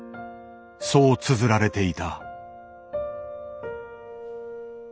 そうつづられていた。